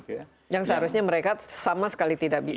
yang seharusnya mereka sama sekali tidak bisa